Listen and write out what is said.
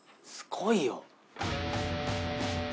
すごいよ。